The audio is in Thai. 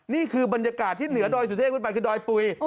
นี่คือบรรยากาศที่เหนือดอยสุเทพขึ้นไปคือดอยปุ๋ย